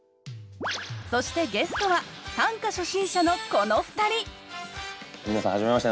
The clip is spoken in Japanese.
そしてゲストは短歌初心者のこの２人皆さんはじめまして。